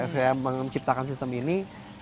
saya menciptakan sistem ini